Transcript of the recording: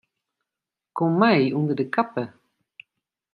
Kom mei ûnder de kappe.